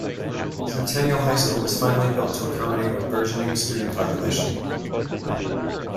Centennial High School was finally built to accommodate a burgeoning student population.